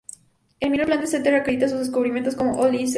El Minor Planet Center acredita sus descubrimientos como O. Lesser.